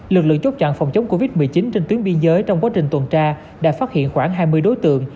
lực lượng chốt chặn phòng chống covid một mươi chín trên tuyến biên giới trong quá trình tuần tra đã phát hiện khoảng hai mươi đối tượng